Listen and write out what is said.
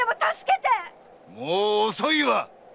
もう遅いわ！